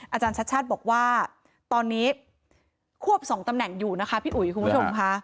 อาจารย์ชัดชาติบอกว่าตอนนี้ควบ๒ตำแหน่งอยู่นะคะพี่อุ๋ยคุณผู้ชมค่ะ